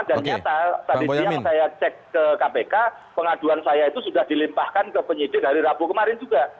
nyata tadi siang saya cek ke kpk pengaduan saya itu sudah dilimpahkan ke penyidik hari rabu kemarin juga